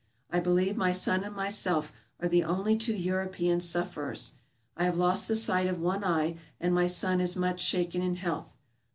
I believe my son and myself are the only two European suf ferers. I have lost the sight of one eye, and my son is much shaken in health.